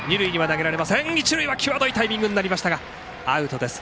一塁は際どいタイミングになりましたがアウトです。